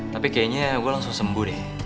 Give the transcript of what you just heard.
tapi kayaknya gue langsung sembuh nih